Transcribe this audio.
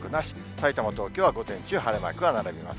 さいたま、東京は午前中晴れマークが並びます。